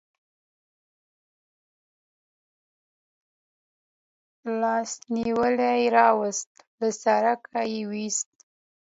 لاس نیولی راوست، له سړک یې و ایست.